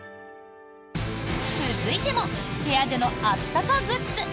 続いても部屋でのあったかグッズ。